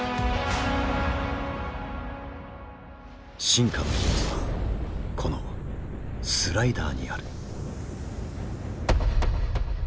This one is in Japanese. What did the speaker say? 進化の秘密はこのスライダーにある。